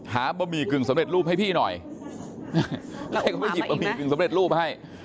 บะหมี่กึ่งสำเร็จรูปให้พี่หน่อยแล้วให้เขาไปหยิบบะหมี่กึ่งสำเร็จรูปให้